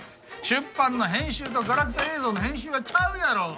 出版の編集とガラクタ映像の編集はちゃうやろ！